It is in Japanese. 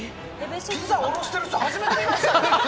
ピザおろしている人初めて見ました！